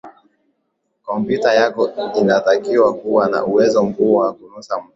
kompyuta yako inatakiwa kuwa na uwezo mkubwa wa kunasa mtandao